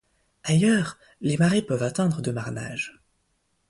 Ailleurs les marées peuvent atteindre de marnage.